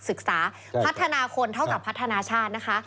ศึกษาพัฒนาคนเท่ากับพัฒนาชาตินะคะ